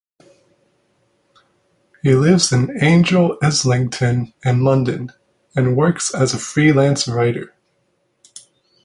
He lives in Angel Islington in London, and works as a freelance writer.